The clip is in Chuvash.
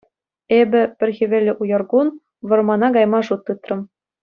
Эпӗ, пӗр хӗвеллӗ уяр кун, вӑрмана кайма шут тытрӑм.